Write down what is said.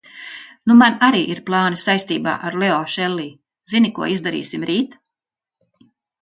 Nu man arī ir plāni saistībā ar Leo Šellij, zini ko izdarīsim rīt?